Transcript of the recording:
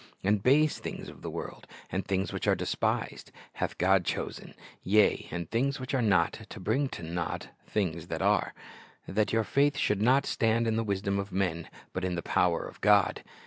And base things of the world, and things which are despised, hath God chosen, yea, and things which are not, to bring to naught things that are;" "that your faith should not stand in the wisdom of men, but in the power of God."'